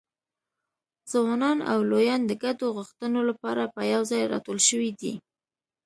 ځوانان او لویان د ګډو غوښتنو لپاره په یوځایي راټول شوي دي.